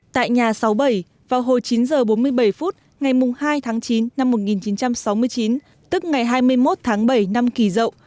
tại nhà sáu mươi bảy vào hồi chín h bốn mươi bảy phút ngày hai tháng chín năm một nghìn chín trăm sáu mươi chín tức ngày hai mươi một tháng bảy năm kỳ rậu